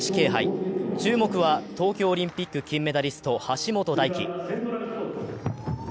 注目は東京オリンピック金メダリスト、橋本大輝。